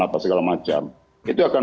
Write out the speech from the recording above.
apa segala macam itu akan